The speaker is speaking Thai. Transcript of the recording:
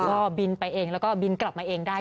ก็บินไปเองแล้วก็บินกลับมาเองได้